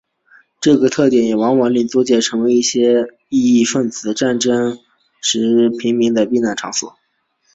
这个特点也往往令租界成为一些异议份子或战争时期平民的避难场所。